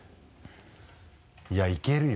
いやいけるよ。